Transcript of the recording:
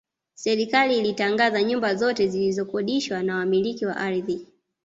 Serikali ilitangaza nyumba zote zilizokodishwa na Wamiliki wa ardhi